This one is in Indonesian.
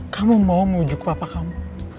kamu mau mengujuk bapak kamu